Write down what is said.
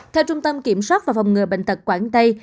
theo trung tâm kiểm soát và phòng ngừa bệnh tật quảng tây